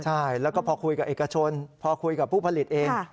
ใช่แล้วก็พอคุยกับเอกชนพอคุยกับผู้ผลิตเอง